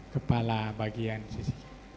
kepala bagian sisi kiri